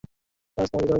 রাজ, আমাকে যেতে হবে।